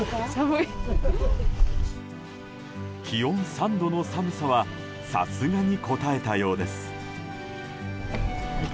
気温３度の寒さはさすがに、こたえたようです。